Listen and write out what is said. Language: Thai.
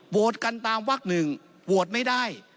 กันตามวักหนึ่งโหวตไม่ได้